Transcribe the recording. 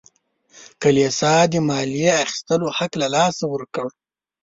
کلیسا د مالیې اخیستلو حق له لاسه ورکړ.